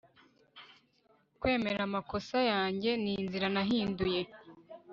kwemera amakosa yanjye ninzira nahinduye